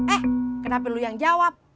eh kenapa lu yang jawab